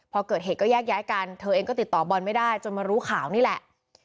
พอเกิดเหตุก็แยกย้ายกันเธอเองก็ติดต่อบอลไม่ได้จนมารู้ข่าวนี่แหละ